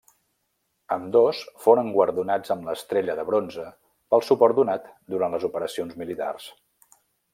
Ambdós foren guardonats amb l'Estrella de Bronze pel suport donat durant les operacions militars.